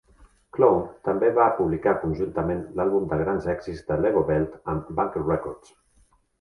Clone també va publicar conjuntament l'àlbum de grans èxits de Legowelt amb Bunker Records.